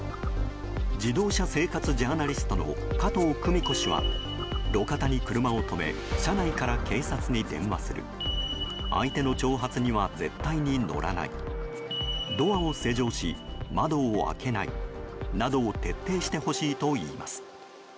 自動車生活ジャーナリストの加藤久美子氏は路肩に車を止め車内から警察に電話する相手の挑発には絶対乗らないドアを施錠し窓を開けないなどを徹底してほしいといいます。